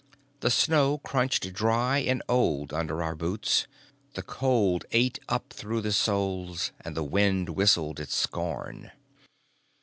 The snow crunched dry and old under our boots, the cold ate up through the soles, and the wind whistled its scorn.